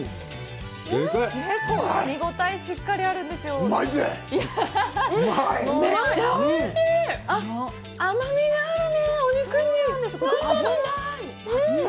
結構かみ応えがしっかりあるんですよ。